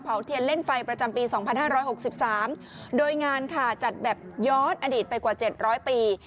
เทียนเล่นไฟประจำปี๒๕๖๓โดยงานค่ะจัดแบบย้อนอดีตไปกว่า๗๐๐ปี